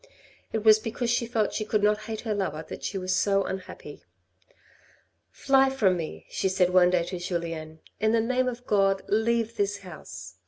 It was because she felt she could not hate her lover that she was so unhappy. " Fly from me," she said one day to Julien. " In the name of God leave this house.